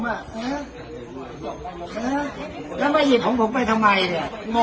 ห๊ะห๊ะแล้วมาเงียบของผมไปทำไมเนี้ย